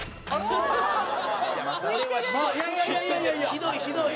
ひどいひどい！